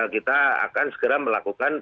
kita akan segera melakukan